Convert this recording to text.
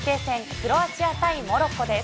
クロアチア対モロッコです。